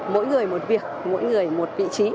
mỗi người một việc mỗi người một vị trí